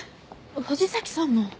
藤崎さんも。